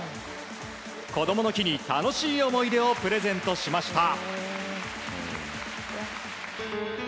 こどもの日に楽しい思い出をプレゼントしました。